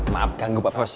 maaf ganggu pak bos